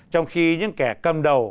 trong khi những kẻ cầm đầu